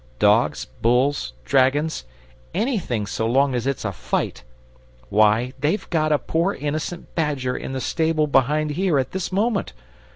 Dogs, bulls, dragons anything so long as it's a fight. Why, they've got a poor innocent badger in the stable behind here, at this moment.